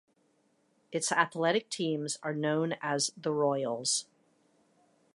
Its athletic teams are known as the Royals.